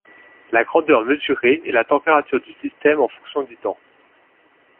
La grandeur mesurée est la température du système en fonction du temps.